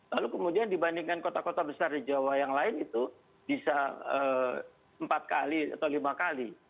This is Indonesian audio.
lalu kemudian dibandingkan kota kota besar di jawa yang lain itu bisa empat kali atau lima kali